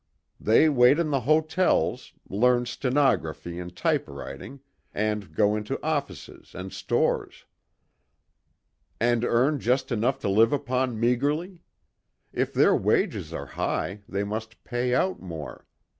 "They wait in the hotels; learn stenography and typewriting, and go into offices and stores." "And earn just enough to live upon meagrely? If their wages are high, they must pay out more.